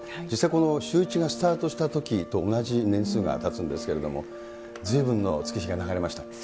実際、このシューイチがスタートしたときと同じ年数がたつんですけれども、ずいぶんの月日が流れました。